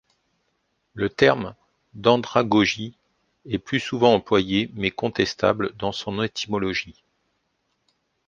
Le terme d'andragogie est plus souvent employé mais contestable dans son étymologie.